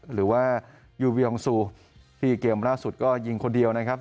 หรือว่ายูเวียองซูที่เกมล่าสุดก็ยิงคนเดียวนะครับ